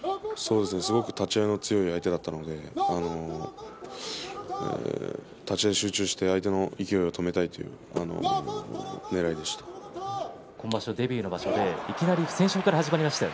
すごく立ち合いの強い相手だったので立ち合い集中して相手の勢いを止めたいというのが今場所デビューの場所いきなり不戦勝から始まりました。